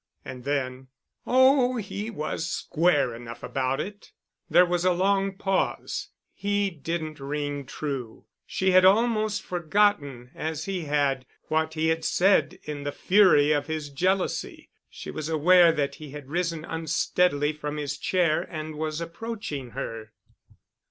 And then, "Oh, he was square enough about it." There was a long pause. He didn't ring true. She had almost forgotten, as he had, what he had said in the fury of his jealousy. She was aware that he had risen unsteadily from his chair and was approaching her.